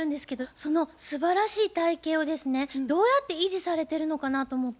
そのすばらしい体型をですねどうやって維持されてるのかなと思って。